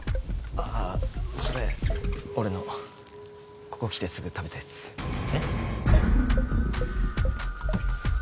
ああそれ俺のここ来てすぐ食べたやつえっ？